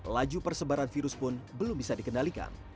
laju persebaran virus pun belum bisa dikendalikan